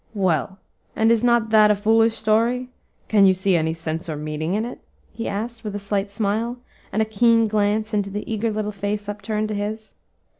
"Well, and is not that a foolish story? can you see any sense or meaning in it?" he asked, with a slight smile, and a keen glance into the eager little face upturned to his.